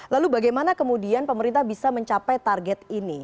lalu bagaimana kemudian pemerintah bisa mencapai target ini